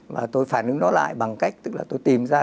và tôi phản ứng nó lại bằng cách là tôi không có đạo đức